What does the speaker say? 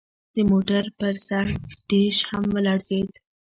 د موټر پر سر ډیش هم ولړزید